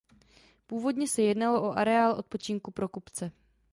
Původně se jednalo o areál odpočinku pro kupce.